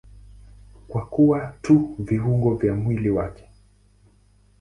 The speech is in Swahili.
Kwa kuwa tu viungo vya mwili wake.